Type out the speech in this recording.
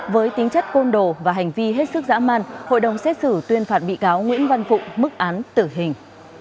với tính chất côn đồ và hành vi hết sức dã man hội đồng xét xử tuyên phạt bị cáo nguyễn văn phụng mức án tử hình